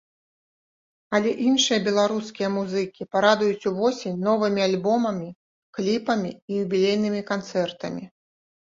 Але іншыя беларускія музыкі парадуюць увосень новымі альбомамі, кліпамі і юбілейнымі канцэртамі.